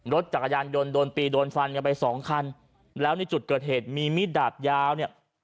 รถจักรยานยนต์โดนตีโดนฟันกันไปสองคันแล้วในจุดเกิดเหตุมีมีดดาบยาวเนี่ย